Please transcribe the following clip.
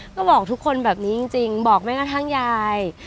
ก็บอกทุกคนแบบนี้จริงบอกแม้กระทั่งยาย